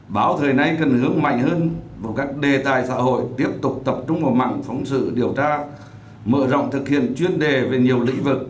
báo thời nay cần hướng mạnh hơn vào các đề tài xã hội tiếp tục tập trung vào mạng phóng sự điều tra mở rộng thực hiện chuyên đề về nhiều lĩnh vực